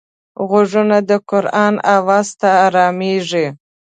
غوږونه د قرآن آواز ته ارامېږي